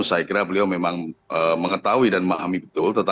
saya kira beliau memang mengetahui dan memahami betul